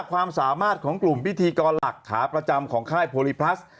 ความสามารถของกลุ่มพิธีกรหลักขาประจำของค่ายโพลิพลัส